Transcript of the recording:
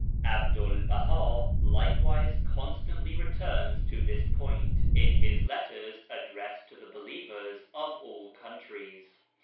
'Abdu'1 Baha likewise constantly returns to this point in his letters addressed to the believers of all countries.